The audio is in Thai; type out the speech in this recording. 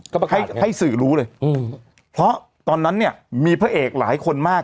ก็ไปให้ให้สื่อรู้เลยอืมเพราะตอนนั้นเนี่ยมีพระเอกหลายคนมาก